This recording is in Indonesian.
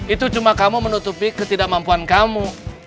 itu cuma kamu menutupi ketidakmampuan kamu